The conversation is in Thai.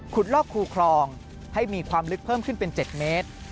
ลอกคูคลองให้มีความลึกเพิ่มขึ้นเป็น๗เมตร